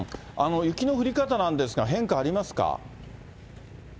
雪の降り方なんですが、変化ありますか。